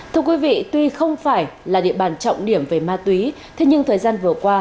thưa quý vị tuy không phải là địa bàn trọng điểm về ma túy thế nhưng thời gian vừa qua